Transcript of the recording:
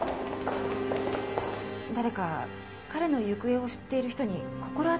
誰か彼の行方を知っている人に心当たりありませんか？